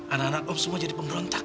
anak anak oh semua jadi pemberontak